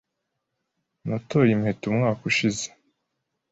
Natoye impeta umwaka ushize.